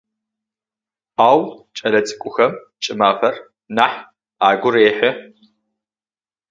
Ау кӏэлэцӏыкӏухэм кӏымафэр нахь агу рехьы.